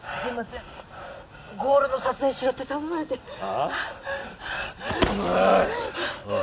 ゴールの撮影しろって頼まれて（多田おい！